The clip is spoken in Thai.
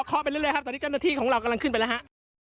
โอเคครับค่อค่อไปเรื่อยครับตอนนี้จำหน้าที่ของเรากำลังขึ้นไปแล้วฮะ